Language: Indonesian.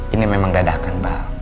ini memang dadah kan mbak